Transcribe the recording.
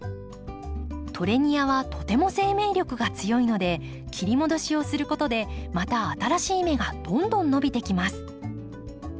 トレニアはとても生命力が強いので切り戻しをすることでまた新しい芽がどんどん伸びてきます。